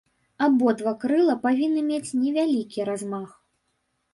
Абодва крыла павінны мець невялікі размах.